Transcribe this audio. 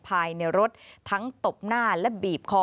ภายในรถทั้งตบหน้าและบีบคอ